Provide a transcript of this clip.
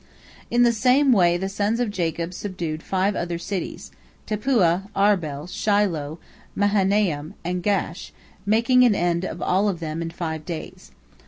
In the same way the sons of Jacob subdued five other cities, Tappuah, Arbel, Shiloh, Mahanaim, and Gaash, making an end of all of them in five days.